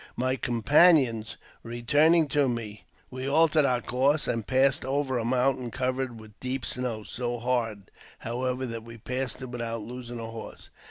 My companions returning to me, we altered our course, and passed over a mountain covered with deep snow, so hard,, however, that we passed it without losing a horse.